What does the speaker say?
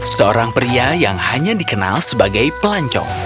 seorang pria yang hanya dikenal sebagai pelancong